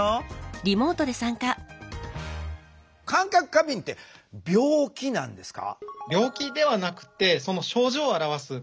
過敏って病気なんですか？